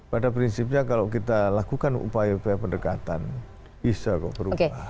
pada prinsipnya kalau kita lakukan upaya upaya pendekatan bisa kok berubah